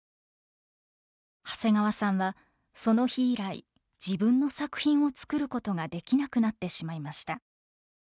長谷川さんはその日以来自分の作品を作ることができなくなってしまいました。